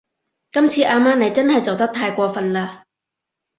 今次阿媽你真係做得太過份喇